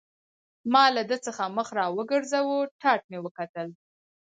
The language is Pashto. ما له ده څخه مخ را وګرځاوه، ټاټ مې وکتل.